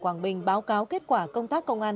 quảng bình báo cáo kết quả công tác công an